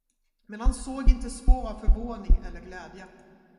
Men han såg inte spår av förvåning eller glädje.